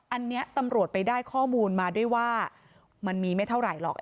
อันนี้ตำรวจไปได้ข้อมูลมาด้วยว่ามันมีไม่เท่าไหร่หรอก